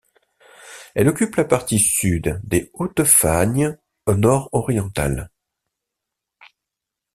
Elle occupe la partie sud des Hautes Fagnes nord-orientales.